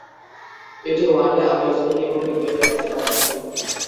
এটি ওয়ানডে আন্তর্জাতিক এবং টি-টোয়েন্টি ম্যাচে প্রাসঙ্গিক।